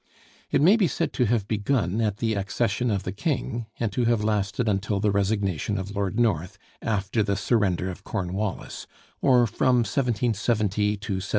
It may be said to have begun at the accession of the King, and to have lasted until the resignation of Lord North after the surrender of Cornwallis, or from 1770 to 1783.